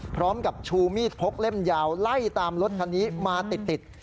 พร้อมกับชูมีดพกเล่มยาวไล่ตามรถคันนี้มาติด